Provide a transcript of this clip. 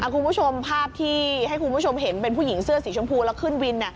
คุณผู้ชมภาพที่ให้คุณผู้ชมเห็นเป็นผู้หญิงเสื้อสีชมพูแล้วขึ้นวิน